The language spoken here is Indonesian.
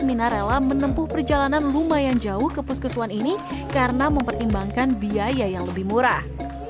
mina rela menempuh perjalanan lumayan jauh ke puskeswan ini karena mempertimbangkan biaya yang lebih murah